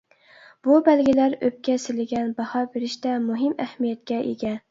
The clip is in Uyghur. بۇ بەلگىلەر ئۆپكە سىلىگە باھا بېرىشتە مۇھىم ئەھمىيەتكە ئىگە.